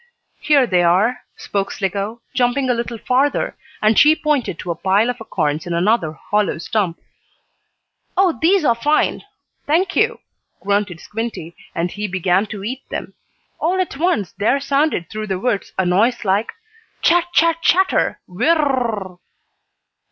"Here they are," spoke Slicko, jumping a little farther, and she pointed to a pile of acorns in another hollow stump. "Oh, these are fine! Thank you!" grunted Squinty, and he began to eat them. All at once there sounded through the woods a noise like: "Chat! Chat! Chatter! Whir r r r r r!"